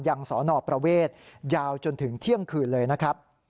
สนประเวทยาวจนถึงเที่ยงคืนเลยนะครับ